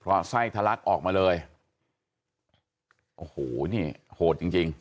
เพราะไส้ทะลักออกมาเลยโอ้โหนี่โหดจริงจริง